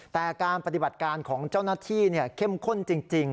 แต่การปฏิบัติการของเจ้าหน้าที่เข้มข้นจริง